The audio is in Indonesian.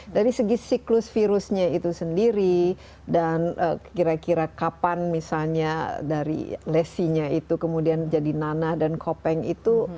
dari segi siklus virusnya itu sendiri dan kira kira kapan misalnya dari lesinya itu kemudian jadi nanah dan kopeng itu